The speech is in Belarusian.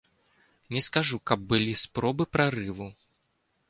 Не скажу, каб былі спробы прарыву.